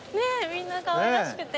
みんなかわいらしくて。